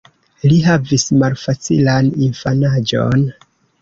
Li havis malfacilan infanaĝon.